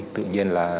tự nhiên là